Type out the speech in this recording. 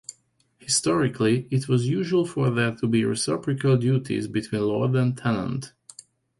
Historically, it was usual for there to be reciprocal duties between lord and tenant.